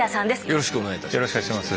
よろしくお願いします。